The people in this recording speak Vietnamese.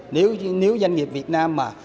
nếu doanh nghiệp việt nam mà